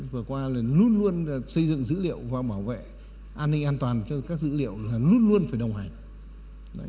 vừa qua là luôn luôn xây dựng dữ liệu và bảo vệ an ninh an toàn cho các dữ liệu là luôn luôn phải đồng hành